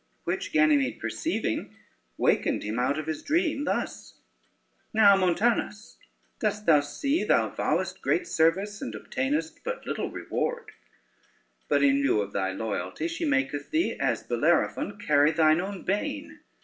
Which Ganymede perceiving wakened him out of his dream thus: "Now, Montanus, dost thou see thou vowest great service and obtainest but little reward; but in lieu of thy loyalty, she maketh thee, as Bellerophon, carry thine own bane.